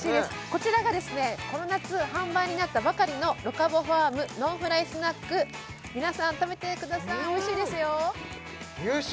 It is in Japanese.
こちらがこの夏販売になったばかりのロカボファームノンフライスナック皆さん食べてくださいおいしいですよ優勝！